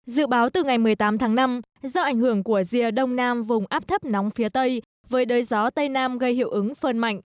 dự báo từ ngày một mươi tám tháng năm do ảnh hưởng của rìa đông nam vùng áp thấp nóng phía tây với đới gió tây nam gây hiệu ứng phơn mạnh